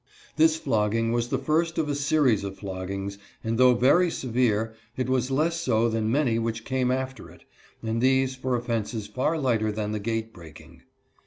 This flogging was the first of a series of floggings, and though very severe, it was less so than many which came after it, and these for offences far lighter than the gate breaking.